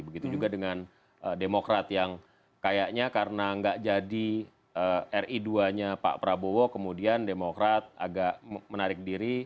begitu juga dengan demokrat yang kayaknya karena nggak jadi ri dua nya pak prabowo kemudian demokrat agak menarik diri